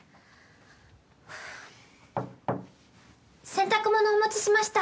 洗濯物お持ちしました。